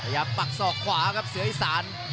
พยายามปักซอกขวาครับเสืออีสาน